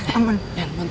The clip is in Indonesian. yan bantuin lo